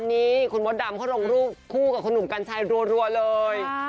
นี่คุณมดดำเขาลงรูปคู่กับคุณหนุ่มกัญชัยรัวเลย